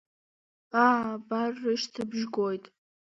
Аа, абар рышьҭыбжь гоит.